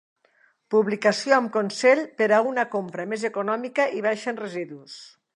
Publicació amb consell per a una compra més econòmica i baixa en residus.